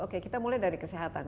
oke kita mulai dari kesehatan